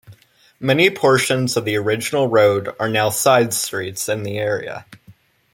Many portions of the original road are now side streets in the area.